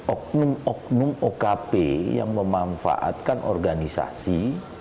oknum oknum okp yang memanfaatkan organisasi